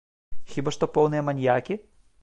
Хіба што поўныя маньякі?